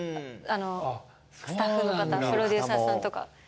スタッフの方プロデューサーさんとか。